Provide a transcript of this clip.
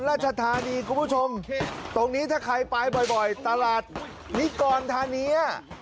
ราชธานีคุณผู้ชมตรงนี้ถ้าใครไปบ่อยตลาดนิกรธานี